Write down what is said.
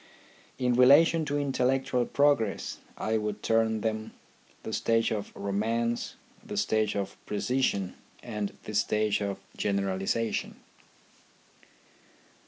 In relation to intellectual progress I would term them, the stage of romance, the stage ; of precision, and the stage of generalization.